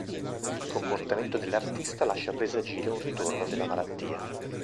Il comportamento dell'artista lascia presagire un ritorno della malattia.